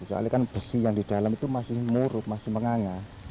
soalnya kan besi yang di dalam itu masih muruk masih menganga